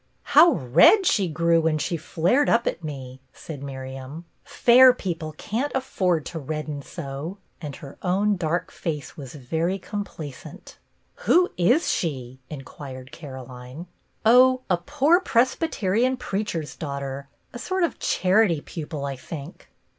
" How red she grew when she flared up at me !" said Miriam. " Fair people can't afford to redden so ;" and her own dark face was very complacent " Who is she }" inquired Caroline. " Oh, a poor Presbyterian preacher's daughter, a sort of charity pupil, I think."